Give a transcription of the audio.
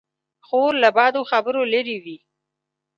خور له بدو خبرو لیرې وي.